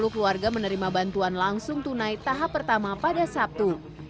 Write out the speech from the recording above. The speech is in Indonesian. sepuluh keluarga menerima bantuan langsung tunai tahap pertama pada sabtu